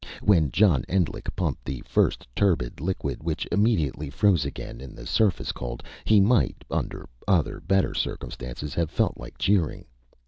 When John Endlich pumped the first turbid liquid, which immediately froze again in the surface cold, he might, under other, better circumstances, have felt like cheering.